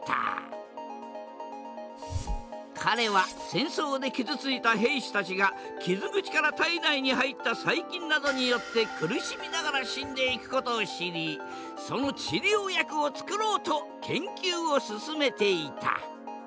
彼は戦争で傷ついた兵士たちが傷口から体内に入った細菌などによって苦しみながら死んでいくことを知りその治療薬をつくろうと研究を進めていた。